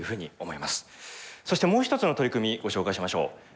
そしてもう一つの取り組みご紹介しましょう。